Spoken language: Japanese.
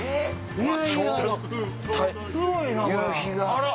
うわっ！